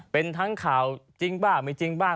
เป็นทั้งข่าวจริงบ้างไม่จริงบ้าง